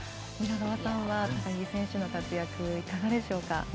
皆川さんは選手の活躍いかがでしょうか。